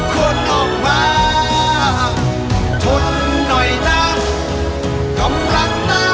คนไทยไม่ทอดทิ้งกลับ